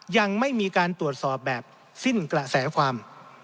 ยังไม่มีการตรวจสอบแบบสิ้นกระแสความ